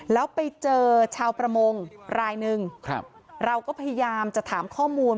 แล้วไปเจอชาวประมงรายหนึ่งครับเราก็พยายามจะถามข้อมูล